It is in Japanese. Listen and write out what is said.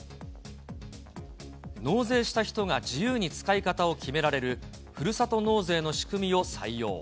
納税した人が自由に使い方を決められる、ふるさと納税の仕組みを採用。